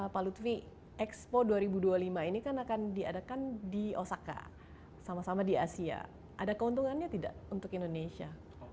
pak lutfi expo dua ribu dua puluh lima ini kan akan diadakan di osaka sama sama di asia ada keuntungannya tidak untuk indonesia